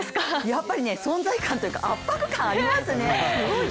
やっぱり存在感というか圧迫感ありますね。